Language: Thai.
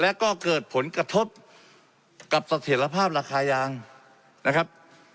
และก็เกิดผลกระทบกับเสถียรภาพราคายางนะครับ